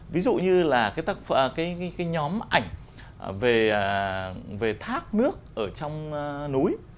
ví dụ như là cái nhóm ảnh về thác nước ở trong núi